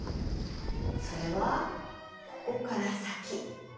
それはここから先。